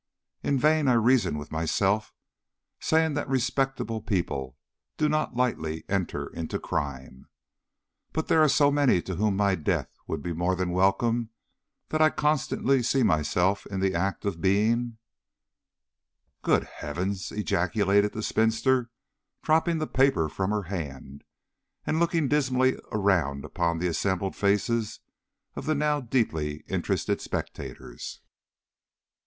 In vain I reason with myself, saying that respectable people do not lightly enter into crime. But there are so many to whom my death would be more than welcome, that I constantly see myself in the act of being "Good heavens!" ejaculated the spinster, dropping the paper from her hand and looking dismally around upon the assembled faces of the now deeply interested spectators.